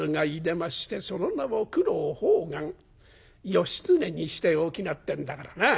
『義経にしておきな』ってんだからな。